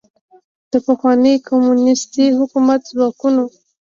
د پخواني کمونیستي حکومت ځواکونو